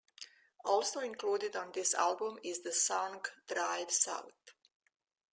Also included on this album is the song "Drive South".